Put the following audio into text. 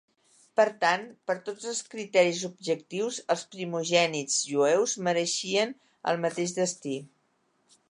Per tant, per tots els criteris objectius, els primogènits jueus mereixien el mateix destí.